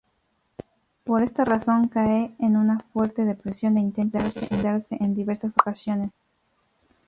Por esta razón, cae en una fuerte depresión e intenta suicidarse en diversas ocasiones.